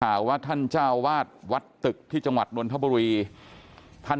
สาวะท่านเจ้าวาดวัดตึกที่จังหวัดห์วนทับวีท่าน